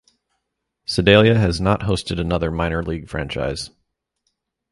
Sedalia has not hosted another minor league franchise.